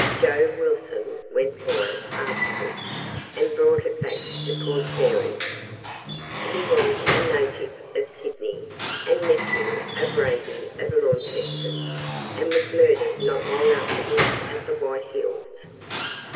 Joe Wilson went for it afterwards, and brought it back to Port Fairy. He was a native of Sydney, and nephew of Raibey of Launceston, and was murdered not long afterwards at the White Hills.